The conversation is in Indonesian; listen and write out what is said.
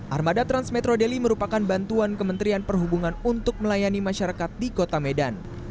armada transmetro daily merupakan bantuan kementerian perhubungan untuk melayani masyarakat di kota medan